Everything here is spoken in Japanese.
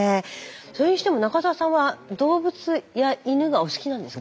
それにしても中澤さんは動物や犬がお好きなんですか？